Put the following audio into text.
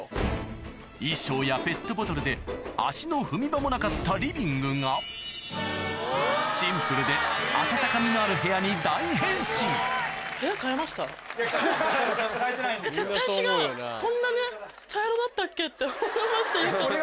衣装やペットボトルで足の踏み場もなかったリビングがシンプルであたたかみのある部屋に大変身変えてないんですよ。